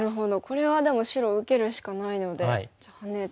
これはでも白受けるしかないのでハネて受けて。